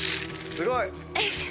すごい。